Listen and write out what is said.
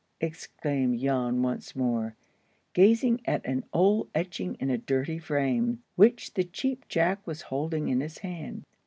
exclaimed Jan once more, gazing at an old etching in a dirty frame, which the Cheap Jack was holding in his hand.